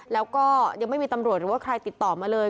แล้วก็ยังไม่มีตำรวจหรือว่าใครติดต่อมาเลย